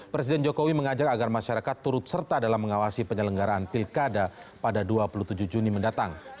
presiden jokowi mengajak agar masyarakat turut serta dalam mengawasi penyelenggaraan pilkada pada dua puluh tujuh juni mendatang